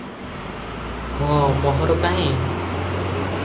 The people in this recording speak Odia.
ହଁ ମୋହର କାହିଁ?